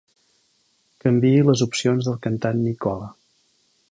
Canviï les opcions del cantant Nicola.